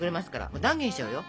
もう断言しちゃうよ。